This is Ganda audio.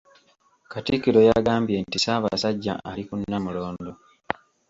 Katikkiro yagambye nti Ssaabasajja ali ku Namulondo.